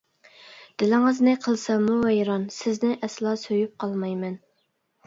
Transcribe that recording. دىلىڭىزنى قىلساممۇ ۋەيران، سىزنى ئەسلا سۆيۈپ قالمايمەن.